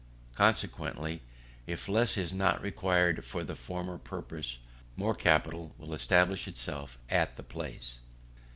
Consequently, if less is not required for the former purpose, more capital will establish itself at the place.